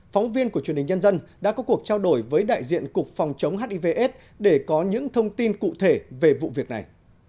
phóng viên của truyền hình nhân dân đã có cuộc trao đổi với đại diện cục phòng chống hiv aids để có những thông tin cụ thể về vụ việc này